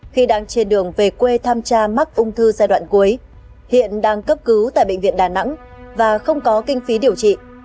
khi đang trên đường về quê tham gia mắc ung thư giai đoạn cuối hiện đang cấp cứu tại bệnh viện đà nẵng và không có kinh phí điều trị